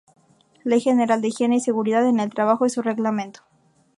Ley General de Higiene y Seguridad en el Trabajo y su Reglamento.